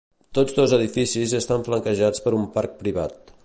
Tots dos edificis estan flanquejats per un parc privat.